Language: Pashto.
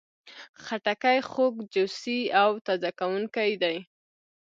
خټکی خوږ، جوسي او تازه کوونکی دی.